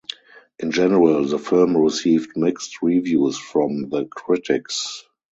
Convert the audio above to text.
In general, the film received mixed reviews from the critics.